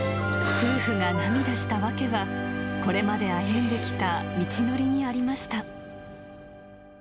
夫婦が涙した訳は、これまで歩んできた道のりにありました。